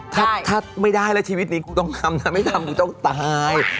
ถ้าไม่ได้แล้วชีวิตนี้กูต้องทำนะไม่ทำกูต้องตาย